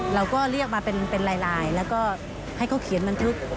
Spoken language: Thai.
เราก็เรียกมาเป็นลายแล้วก็ให้เขาเขียนบันทึก